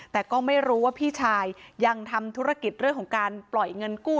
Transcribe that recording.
แต่ก็ไม่รู้ว่าพี่ชายยังทำธุรกิจเรื่องของการปล่อยเงินกู้